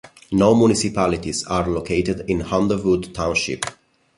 No municipalities are located in Underwood Township.